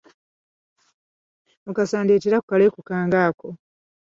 Mukasa ndeetera ku kaleku kange ako.